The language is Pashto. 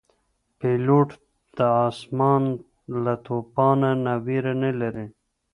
پیلوټ د آسمان له توپانه نه ویره نه لري.